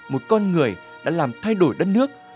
một con người đã làm thay đổi đất nước